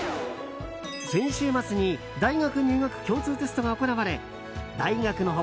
先週末に大学入学共通テストが行われ大学の他